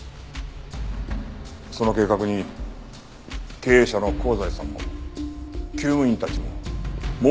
その計画に経営社の香西さんも厩務員たちも猛反対した。